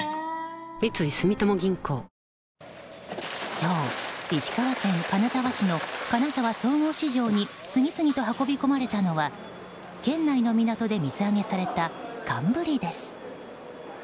今日、石川県金沢市のかなざわ総合市場に次々と運び込まれたのは県内の港で水揚げされた寒ブリです。